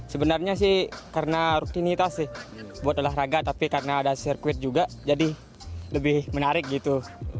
sebenarnya sih karena rutinitas sih buat olahraga tapi karena ada sirkuit juga jadi lebih menarik gitu